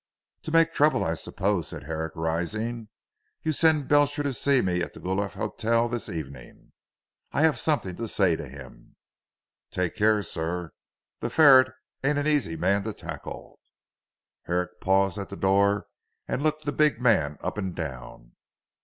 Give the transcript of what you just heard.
"To make trouble I suppose," said Herrick rising, "you send Belcher to see me at the Guelph hotel this evening. I have something to say to him." "Take care sir. The ferret ain't an easy man to tackle." Herrick paused at the door and looked the big man up and down.